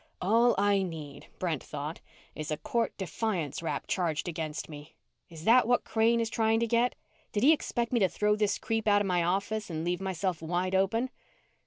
All I need, Brent thought, _is a court defiance rap charged against me. Is that what Crane is trying to get? Did he expect me to throw this creep out of my office and leave myself wide open?